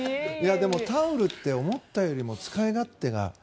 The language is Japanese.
タオルって思ったよりも使い勝手がいい。